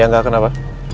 ya enggak kenapa